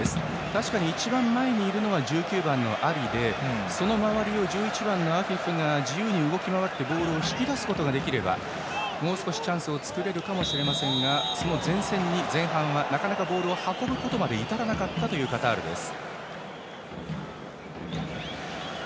確かに、一番前にいるのは１９番のアリでその周りを１１番のアフィフが自由に動き回ってボールを引き出すことができればもう少しチャンスを作れるかもしれませんがその前線に前半はなかなかボールを運ぶところにいたらなかったというカタールです。